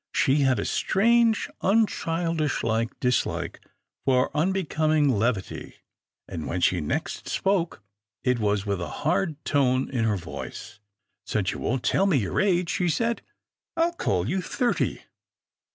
She had a strange, unchildish dislike for A CONFLICT OF WILLS 15 unbecoming levity, and, when she next spoke, it was with a hard tone in her voice. " Since you won't tell me your age," she said, " I'll call you thirty."